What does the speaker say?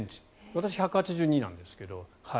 私、１８２ｃｍなんですけど。